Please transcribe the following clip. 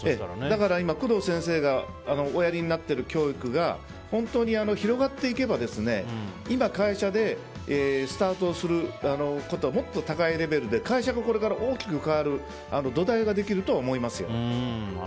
今、工藤先生がおやりになっている教育が本当に広がっていけば今、会社でスタートをする方がもっと高いレベルで解釈が大きく変わる土台ができると思いますよ。